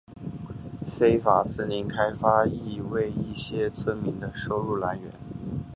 非法森林开发亦为一些村民的收入来源。